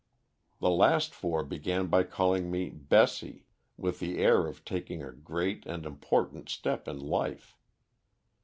The last four began by calling me 'Bessie,' with the air of taking a great and important step in life.